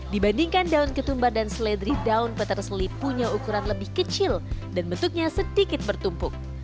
dibandingkan daun ketumbar dan seledri daun peter seli punya ukuran lebih kecil dan bentuknya sedikit bertumpuk